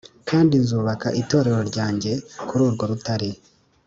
kandi nzubaka Itorero ryanjye kuri urwo rutare,